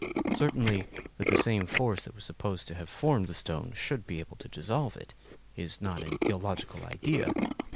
Certainly, that the same force that was supposed to have formed the stone should be able to dissolve it, is not an illogical idea.